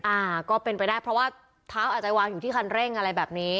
อ่าก็เป็นไปได้เพราะว่าเท้าอาจจะวางอยู่ที่คันเร่งอะไรแบบนี้